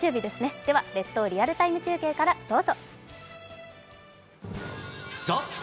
では「列島リアルＴＩＭＥ！中継」からどうぞ。